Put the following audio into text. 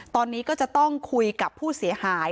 ตอนนี้ก็จะต้องคุยกับผู้เสียหาย